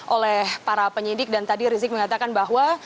oleh para penyidik dan tadi rizik mengatakan bahwa